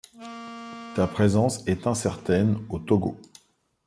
Sa présence est incertaine au Togo.